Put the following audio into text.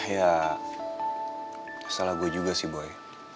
ya salah gue juga sih boy